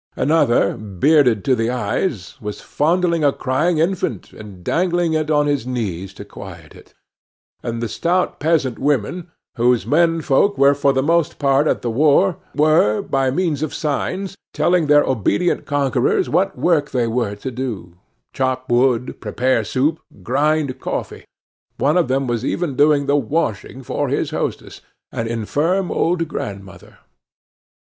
An other, bearded to the eyes, was fondling a crying infant, and dandling it on his knees to quiet it; and the stout peasant women, whose men folk were for the most part at the war, were, by means of signs, telling their obedient conquerors what work they were to do: chop wood, prepare soup, grind coffee; one of them even was doing the washing for his hostess, an infirm old grandmother.